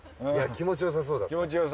気持ちよさそうだったよ。